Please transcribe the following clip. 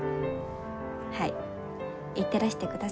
はい行ってらしてください。